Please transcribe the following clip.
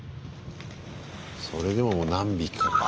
それでも何匹かか。